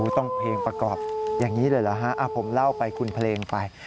ต้องเพลงประกอบอย่างนี้เลยเหรอฮะผมเล่าไปคุณเพลงไป